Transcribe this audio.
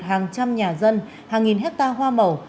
hàng trăm nhà dân hàng nghìn hectare hoa màu